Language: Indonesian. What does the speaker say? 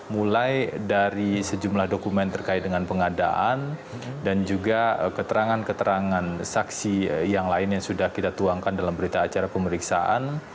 mulai dari sejumlah dokumen terkait dengan pengadaan dan juga keterangan keterangan saksi yang lain yang sudah kita tuangkan dalam berita acara pemeriksaan